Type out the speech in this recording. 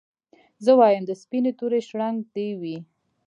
زه وايم د سپيني توري شړنګ دي وي